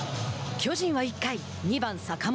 巨人は１回、２番坂本。